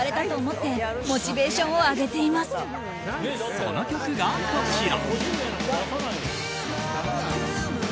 その曲がこちら。